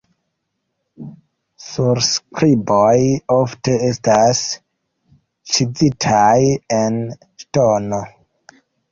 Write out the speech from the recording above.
Surskriboj ofte estas ĉizitaj en ŝtono.